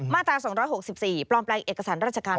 ตรา๒๖๔ปลอมแปลงเอกสารราชการ